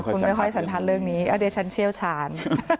คุณไม่ค่อยสันทัศน์เรื่องนี้เดี๋ยวฉันเชี่ยวชาญ